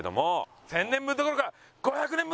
１０００年分どころか５００年分探してやる！